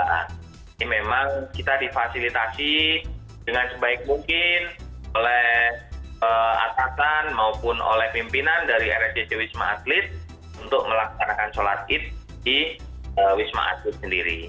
ini memang kita difasilitasi dengan sebaik mungkin oleh atasan maupun oleh pimpinan dari rsdc wisma atlet untuk melaksanakan sholat id di wisma atlet sendiri